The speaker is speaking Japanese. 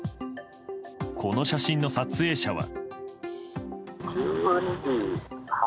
この写真の撮影者は。